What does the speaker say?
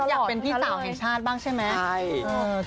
อยากเป็นพี่สาวแห่งชาติบ้างใช่ไหม